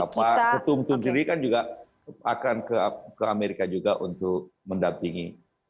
ketum ketum diri akan ke amerika juga untuk mendampingi